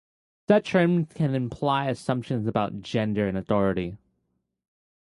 Such terms can imply assumptions about gender and authority.